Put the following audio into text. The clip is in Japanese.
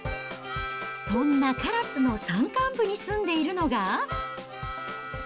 そんな唐津の山間部に住んでいるのが。